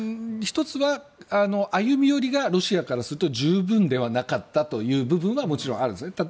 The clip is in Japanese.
１つは歩み寄りがロシアからすると十分ではなかったという部分はもちろんあるんですね。